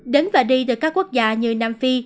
đến và đi từ các quốc gia như nam phi